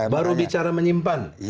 baru bicara menyimpan